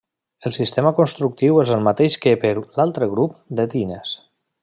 El sistema constructiu és el mateix que per l'altre grup de tines.